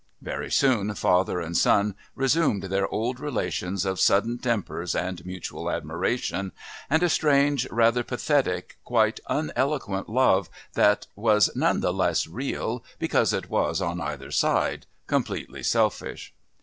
Very soon father and son resumed their old relations of sudden tempers and mutual admiration, and a strange, rather pathetic, quite uneloquent love that was none the less real because it was, on either side, completely selfish.